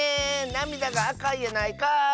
なみだがあかいやないかい！